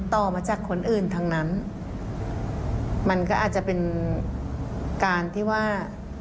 ต่อมาจากคนอื่นทั้งนั้นมันก็อาจจะเป็นการที่ว่า